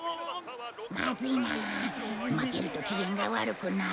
まずいなあ負けると機嫌が悪くなる。